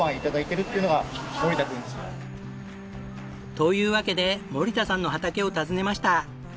というわけで森田さんの畑を訪ねました。